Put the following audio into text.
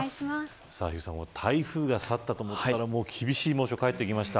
台風が去ったと思ったら厳しい猛暑が帰ってきました。